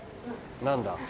何だ？